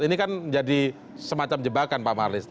ini kan jadi semacam jebakan pak marlis